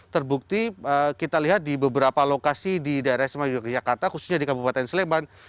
terbukti kita lihat di beberapa lokasi di daerah isma yogyakarta khususnya di kabupaten sleman